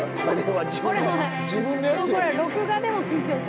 これ録画でも緊張する。